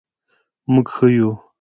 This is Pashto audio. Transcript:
مونږ ښه یو